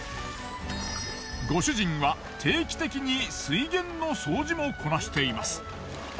ご主人は定期的に水源の掃除もこなしています。